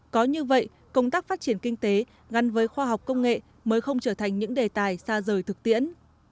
có như vậy công tác phát triển kinh tế gắn với khoa học công nghệ mới không trở thành những đề tài xa rời thực tiễn